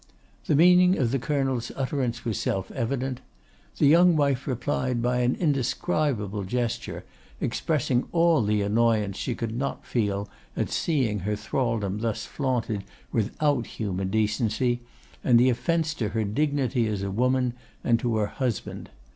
The meaning of the Colonel's utterance was self evident. The young wife replied by an indescribable gesture, expressing all the annoyance she could not feel at seeing her thralldom thus flaunted without human decency, and the offence to her dignity as a woman, and to her husband.